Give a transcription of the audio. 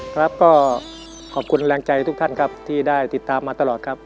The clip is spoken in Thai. ครับก็ขอบคุณแรงใจทุกท่านครับที่ได้ติดตามมาตลอดครับ